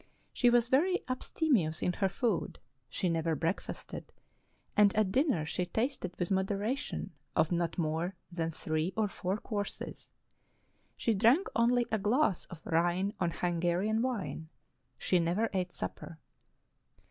She was very abstemious in her food : she never breakfasted, and at dinner she tasted with moderation of not more than three or four courses; she drank only a glass of Rhine or Hungarian wine; she never ate supper.